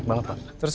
kau mau lihat kesana